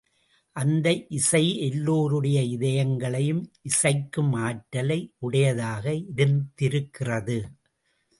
அந்த இசை எல்லோருடைய இதயங்களையும் இசைக்கும் ஆற்றலை உடையதாக இருந்திருக்கிறது.